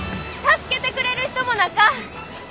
助けてくれる人もなか。